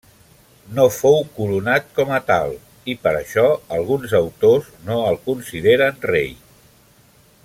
No fou coronat com a tal i per això alguns autors no el consideren rei.